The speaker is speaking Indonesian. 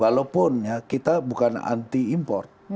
walaupun ya kita bukan anti import